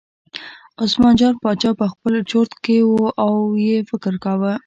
عثمان جان باچا په خپل چورت کې و او یې فکر کاوه.